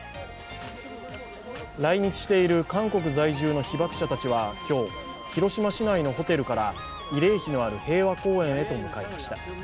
来日している韓国在住の被爆者たちは今日、広島市内のホテルから慰霊碑のある平和公園に向かいました。